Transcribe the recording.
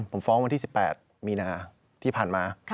ผมฟ้องวันที่๑๘มีนาที่ผ่านมา